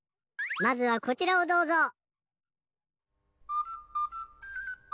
まずはこちらをどうぞ。